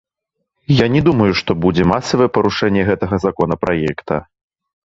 Я не думаю, што будзе масавае парушэнне гэтага законапраекта.